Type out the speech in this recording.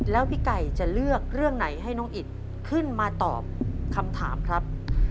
แล้วพี่ไก่จะเลือกเรื่องไหนให้น้องอิดขึ้นมาตอบคำถามครับ